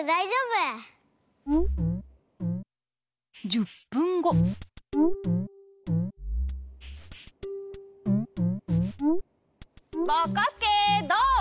１０ぷんごぼこすけどう？